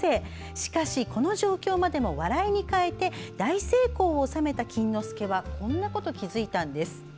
しかし、この状況までも笑いに変えて大成功を収めた錦之助はこんなことに気付いたんです。